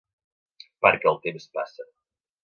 Perquè el temps passa.